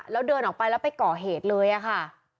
แล้วเดินออกไปแล้วไปก่อเหตุเลยอะค่ะ